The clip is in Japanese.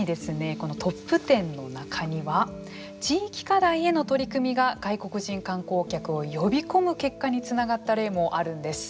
このトップ１０の中には地域課題への取り組みが外国人観光客を呼び込む結果につながった例もあるんです。